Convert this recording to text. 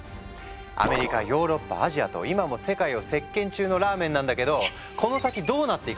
アメリカヨーロッパアジアと今も世界を席巻中のラーメンなんだけどこの先どうなっていくのか？